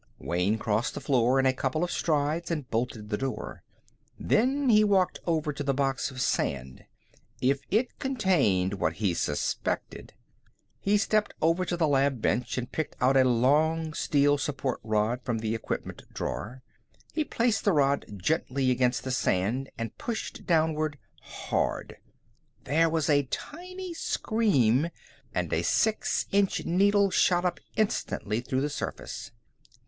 Wayne crossed the room in a couple of strides and bolted the door. Then he walked over to the box of sand. If it contained what he suspected He stepped over to the lab bench and picked out a long steel support rod from the equipment drawer. He placed the rod gently against the sand, and pushed downward, hard. There was a tinny scream, and a six inch needle shot up instantly through the surface.